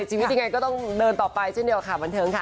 ชีวิตยังไงก็ต้องเดินต่อไปเช่นเดียวค่ะบันเทิงค่ะ